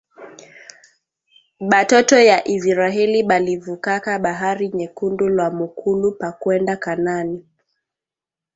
Batoto ya isiraheli balivukaka bahari nyekundu lwa mukulu pa kwenda kanani